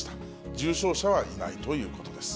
重症者はいないということです。